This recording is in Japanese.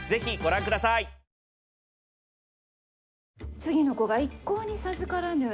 次の子が一向に授からぬ。